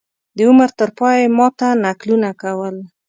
د عمر تر پایه یې ما ته نکلونه کول.